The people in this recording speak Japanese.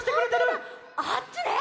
あっちね！